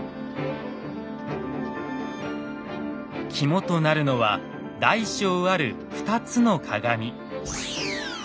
肝となるのは大小ある２つの鏡。